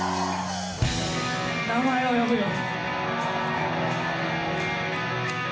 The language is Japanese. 「名前を呼ぶよ」。